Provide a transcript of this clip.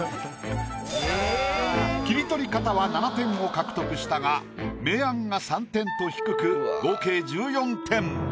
切り取り方は７点を獲得したが明暗が３点と低く合計１４点。